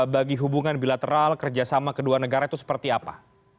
bagi hubungan bilateral kerjasama kedua negara itu seperti apa